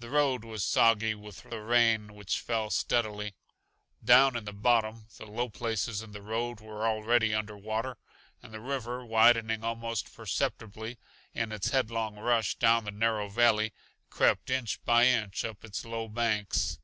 The road was soggy with the rain which fell steadily; down in the bottom, the low places in the road were already under water, and the river, widening almost perceptibly in its headlong rush down the narrow valley, crept inch by inch up its low banks.